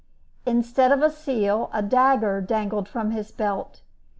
Instead of a seal, a dagger dangled from his belt.